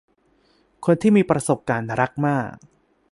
คนที่มีประสบการณ์รักมาก